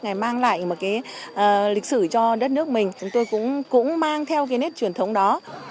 để mang lại một cái lịch sử cho đất nước mình chúng tôi cũng mang theo cái nét truyền thống đó